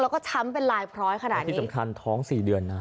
แล้วก็ช้ำเป็นลายพร้อยขนาดนี้ที่สำคัญท้องสี่เดือนนะ